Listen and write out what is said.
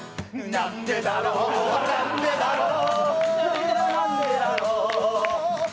なんでだろうなんでだろう